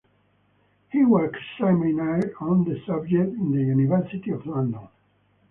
He was examiner on the subject in the University of London.